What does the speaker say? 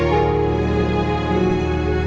ibu di mana